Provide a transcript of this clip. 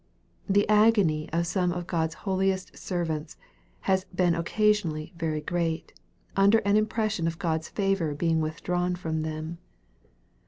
The agony of some of God's holiest servants has been occasionally very great, under an impression of God's favor ^eing withdrawn from them.